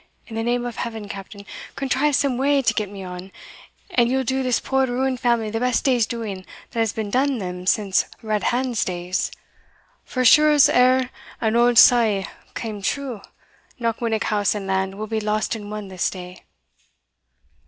In the name of Heaven, Captain, contrive some way to get me on, and ye'll do this poor ruined family the best day's doing that has been done them since Redhand's days for as sure as e'er an auld saw came true, Knockwinnock house and land will be lost and won this day."